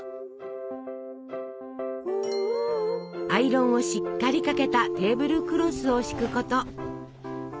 アイロンをしっかりかけたテーブルクロスを敷くこと。